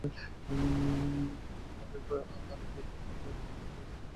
আরও কয়েক পয়েন্ট কমিয়ে দেয়, যতক্ষণে এটা সর্বোচ্চ সীমায় পৌঁছায়।